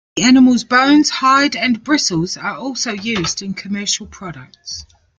The animal's bones, hide, and bristles are also used in commercial products.